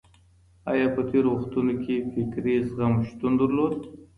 آيا په تېرو وختونو کي فکري زغم شتون درلود؟